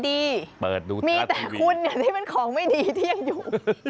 มีแต่คุณเนี่ยที่เป็นของไม่ดีที่ยังอยู่